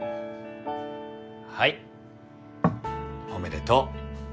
はいおめでとう。